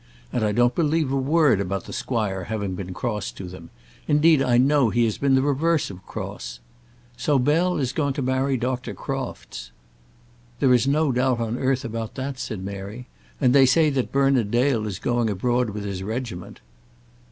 And I don't believe a word about the squire having been cross to them. Indeed I know he has been the reverse of cross. So Bell is going to marry Dr. Crofts!" "There is no doubt on earth about that," said Mary. "And they say that Bernard Dale is going abroad with his regiment."